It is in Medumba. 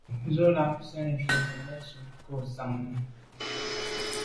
Wù z’a lèn ju ze me te num nko’ tshan à.